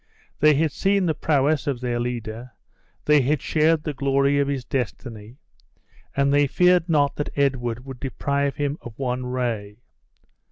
They had seen the prowess of their leader, they had shared the glory of his destiny, and they feared not that Edward would deprive him of one ray.